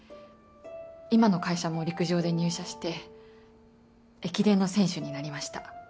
今の会社も陸上で入社して駅伝の選手になりました。